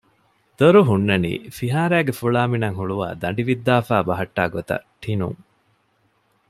ދޮރު ހުންނަނީ ފިހާރައިގެ ފުޅާމިނަށް ހުޅުވައި ދަނޑި ވިއްދާފައި ބަހައްޓާ ގޮތަށް ޓިނުން